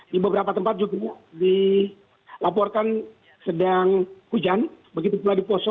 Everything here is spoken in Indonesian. di beberapa tempat juga dilaporkan sedang hujan begitu pula di poso